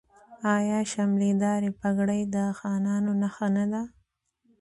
آیا شملې دارې پګړۍ د خانانو نښه نه ده؟